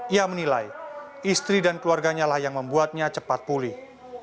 ia menilai istri dan keluarganyalah yang membuatnya cepat pulih